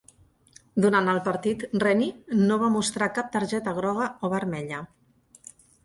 Durant el partit, Rennie no va mostrar cap targeta groga o vermella.